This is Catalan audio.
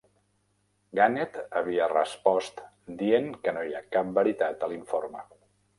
Gannett havia respost dient que no hi ha cap veritat a l'informe.